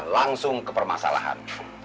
langsung ke permasalahan